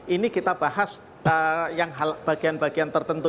ini kita bahas yang bagian bagian tertentu